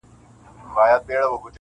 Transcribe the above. د چا لاس چي د خپل قام په وینو سور وي -